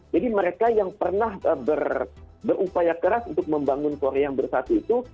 jadi mereka yang pernah berupaya keras untuk membangun korea yang bersatu itu